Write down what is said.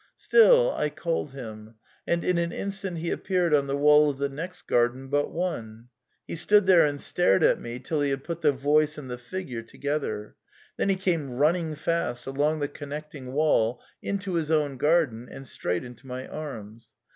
StiU, I called him ; and in an instant he appeared on the wall of the next garden but one. He stood there and stared at me till he had put the voice and the figure together. Then he came running fast, along the connecting wall into his own garden, and straight into my arms.